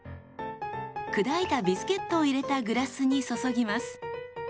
砕いたビスケットを入れたグラスに注ぎます。